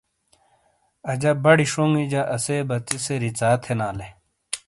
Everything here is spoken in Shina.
اجا بڑی شونگی جہ اَسے بَژی سے رِیژا تھینالے۔